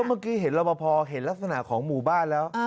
เมื่อกี้เห็นรอบพอเห็นลักษณะของหมู่บ้านแล้ว